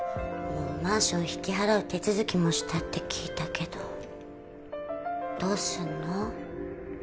マンション引き払う手続きもしたって聞いたけどどうすんの？